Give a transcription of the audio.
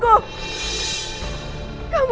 kamu telah merenggut kesucianku